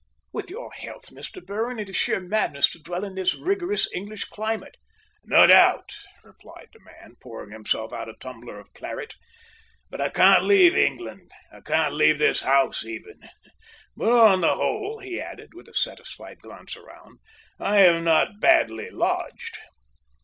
"With your health, Mr. Berwin, it is sheer madness to dwell in this rigorous English climate." "No doubt," replied the man, pouring himself out a tumbler of claret, "but I can't leave England I can't leave this house, even; but on the whole," he added, with a satisfied glance around, "I am not badly lodged."